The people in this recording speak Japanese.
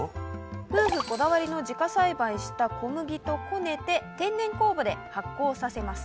夫婦こだわりの自家栽培した小麦とこねて天然酵母で発酵させます。